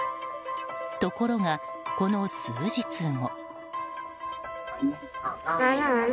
ところが、この数日後。